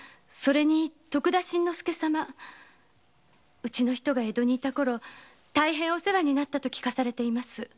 うちの人が江戸にいたころ大変お世話になったと聞かされています。